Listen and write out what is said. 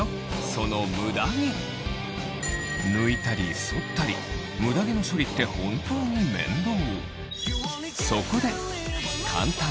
その抜いたり剃ったりムダ毛の処理って本当に面倒